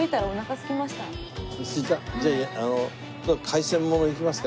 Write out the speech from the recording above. すいた？じゃあ海鮮ものいきますか。